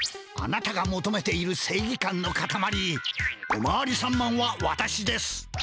あなたがもとめているせいぎ感のかたまりおまわりさんマンはわたしです。